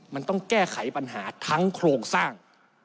มันต้องแก้ไขปัญหาทั้งโครงสร้าง